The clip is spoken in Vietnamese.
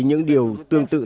những điều tương tự